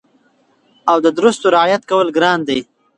او د درستو رعایت کول ګران دي